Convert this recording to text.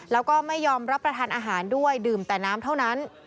แล้วก็ไม่ยอมรับประทานอาหารด้วยดื่มแต่น้ำเท่านั้น